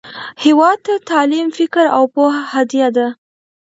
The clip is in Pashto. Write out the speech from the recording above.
هیواد ته تعلیم، فکر، او پوهه هدیه ده